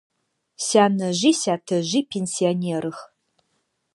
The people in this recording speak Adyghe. Сянэжъи сятэжъи пенсионерых.